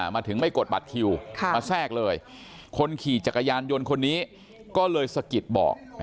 มาถึงไม่กดบัตรคิวมาแทรกเลยคนขี่จักรยานยนต์คนนี้ก็เลยสะกิดบอก